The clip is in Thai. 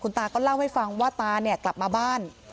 ตาก็เล่าให้ฟังว่าตาเนี่ยกลับมาบ้าน